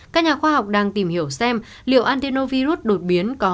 các nhà khoa học đang tìm hiểu xem liệu antinovirus đột biến có